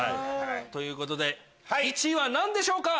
ということで１位は何でしょう？